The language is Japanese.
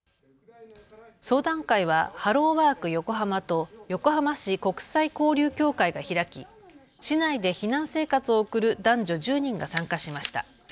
相談会はハローワーク横浜と横浜市国際交流協会が開き市内で避難生活を送る男女１０人が参加しました。